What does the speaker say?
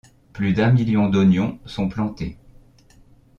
Plus d’un million d’oignons sont plantés.